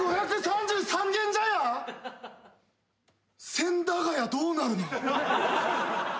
千駄ヶ谷どうなるの？